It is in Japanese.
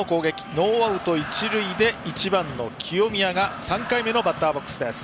ノーアウト一塁で１番の清宮が３回目のバッターボックスです。